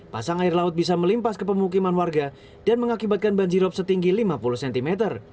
pasang air laut bisa melimpas ke pemukiman warga dan mengakibatkan banjirop setinggi lima puluh cm